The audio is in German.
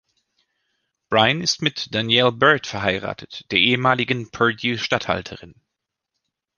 Brian ist mit Danielle Bird verheiratet, der ehemaligen Purdue-Standhalterin.